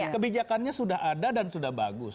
kebijakannya sudah ada dan sudah bagus